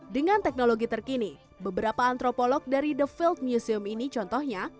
dengan teknologi terkini beberapa antropolog dari the field museum ini contohnya